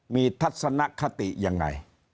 มีทัศนคติยังไง